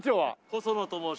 細野と申します。